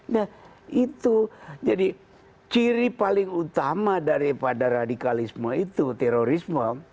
nah itu jadi ciri paling utama daripada radikalisme itu terorisme